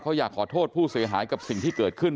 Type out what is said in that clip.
เขาอยากขอโทษผู้เสียหายกับสิ่งที่เกิดขึ้น